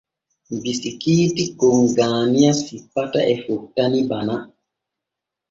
Bisikiiti kon Gaaniya simpata e fottani Bana.